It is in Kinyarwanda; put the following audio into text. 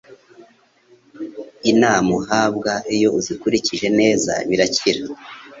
inama uhabwa iyo uzikurikije neza birakira: